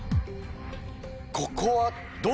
ここは。